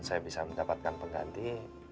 saya bisa mendapatkan pengganti